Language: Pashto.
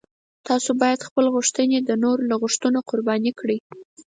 تاسو باید خپلې غوښتنې د نورو له غوښتنو قرباني کړئ.